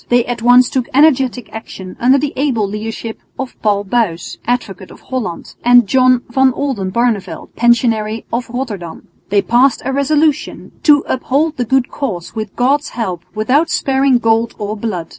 They at once took energetic action under the able leadership of Paul Buys, Advocate of Holland, and John van Oldenbarneveldt, Pensionary of Rotterdam. They passed a resolution "to uphold the good cause with God's help without sparing gold or blood."